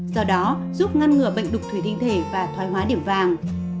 do đó giúp ngăn ngừa bệnh đục thủy tinh thể và thoái hóa điểm vàng